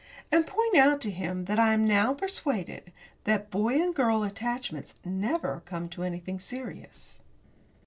And point out to him that I am now persuaded that boy and girl attachments never come to anything serious.